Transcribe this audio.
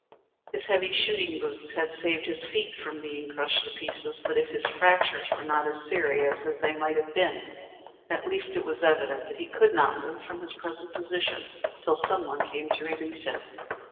His heavy shooting boots had saved his feet from being crushed to pieces, but if his fractures were not as serious as they might have been, at least it was evident that he could not move from his present position till some one came to release him.